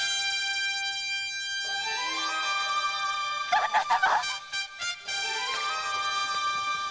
旦那様！